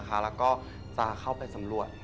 แล้วก็จะเข้าไปสำรวจ